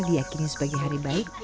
diakini sebagai hari baik